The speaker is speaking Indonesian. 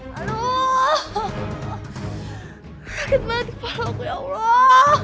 sakit banget kepala aku ya allah